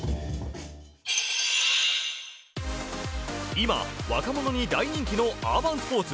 今、若者に大人気のアーバンスポーツ。